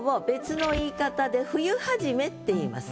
っていいます。